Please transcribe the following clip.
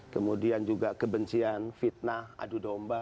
kemudian juga kebencian fitnah adu domba